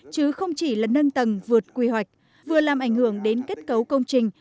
chứ không chỉ là nâng tầng vượt quy hoạch vừa làm ảnh hưởng đến kết cấu công trình